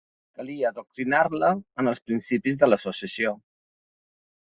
Calia adoctrinar-la en els principis de l'associació.